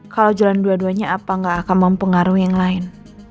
kalau jalan dua duanya apa nggak akan mempengaruhi yang lain